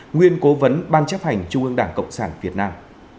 nguyên cố vấn ban chấp hành trung ương đảng cộng sản việt nam